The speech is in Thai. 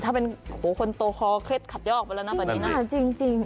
ถ้าเป็นโอ้โหคนโตคอเคล็ดขัดยอกไปแล้วนะตอนนี้นะจริง